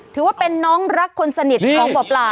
ถือว่าเป็นน้องรักคนสนิทของหมอปลา